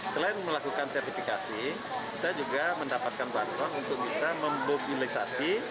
selain melakukan sertifikasi kita juga mendapatkan bantuan untuk bisa memobilisasi